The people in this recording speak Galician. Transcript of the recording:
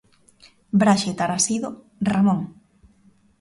Braxe Tarasido, Ramón.